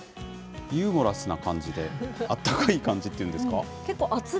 ユーモラスな感じで、あったかい感じっていうんですか。